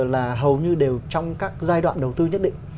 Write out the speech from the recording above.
là hầu như đều trong các giai đoạn đầu tư nhất định